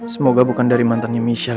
semoga bukan dari mantannya michelle